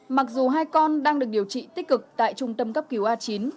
mặc dù hai con đang được điều trị tích cực tại trung tâm cấp cứu a chín